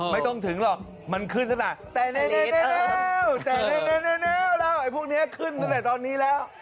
ไม่ต้องถึงหรอกมันขึ้นซะหน่อยแตะเร็วแล้วไอ้พวกนี้ขึ้นตั้งแต่ตอนนี้แล้ว